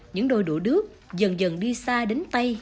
những đôi đũa đước dần dần đi xa đến tay